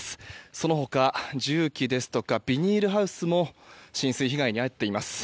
その他重機ですとかビニールハウスも浸水被害に遭っています。